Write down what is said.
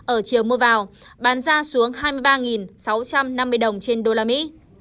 ở chiều mua vào bán ra xuống hai mươi ba sáu trăm năm mươi đồng trên đô la mỹ